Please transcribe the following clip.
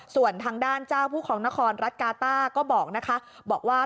ส่วนทางด้านเจ้าผู้ของนครรัฐกาต้าก็บอกว่า